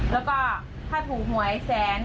แล้วก็ถ้าถูกหวยแสน